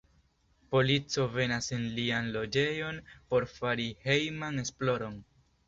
Polico venas en lian loĝejon por fari hejman esploron.